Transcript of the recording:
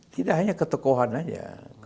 tidak hanya ketekuhan saja